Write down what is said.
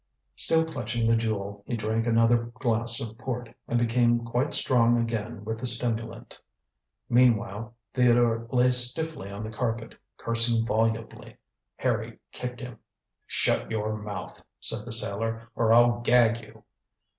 Still clutching the jewel he drank another glass of port, and became quite strong again with the stimulant. Meanwhile Theodore lay stiffly on the carpet, cursing volubly. Harry kicked him. "Shut your mouth," said the sailor, "or I'll gag you."